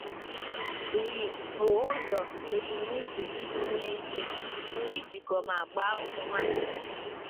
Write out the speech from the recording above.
W bụ ụzọ ebumnuche iji nye ike, ijikọ ma gbaa ụmụ nwanyị ume.